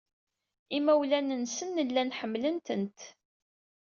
Imawlan-nsen llan ḥemmlen-tent.